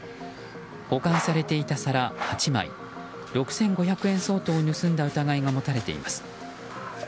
保管されていた皿８枚６５００円相当を盗んだ疑いが持たれています。